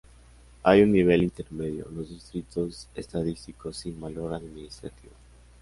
Hay un nivel intermedio, los distritos estadísticos, sin valor administrativo.